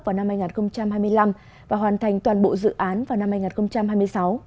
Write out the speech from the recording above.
vào năm hai nghìn hai mươi năm và hoàn thành toàn bộ dự án vào năm hai nghìn hai mươi sáu